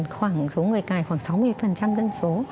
số người cài khoảng sáu mươi dân số